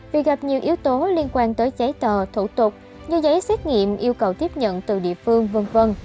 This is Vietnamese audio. vì gặp nhiều yếu tố liên quan tới giấy tờ thủ tục như giấy xét nghiệm yêu cầu tiếp nhận từ địa phương v v